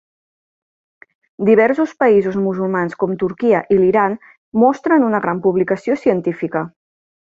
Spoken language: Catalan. Diversos països musulmans com Turquia i l'Iran mostren una gran publicació científica.